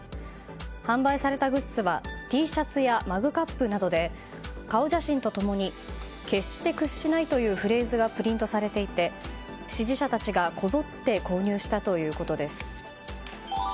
販売されたグッズはＴシャツやマグカップなどで顔写真とともに決して屈しないというフレーズがプリントされていて支持者たちがこぞって購入したということです。